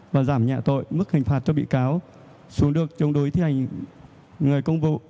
và giảm nhạ tội mức hành phạt cho bị cáo xuống được trong đối thi hành người công vụ